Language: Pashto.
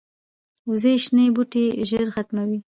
وزې شنه بوټي ژر ختموي